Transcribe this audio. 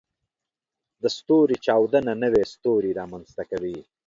د ستوري چاودنه نوې ستوري رامنځته کوي.